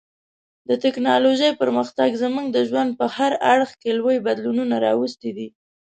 د ټکنالوژۍ پرمختګ زموږ د ژوند په هر اړخ کې لوی بدلونونه راوستي دي.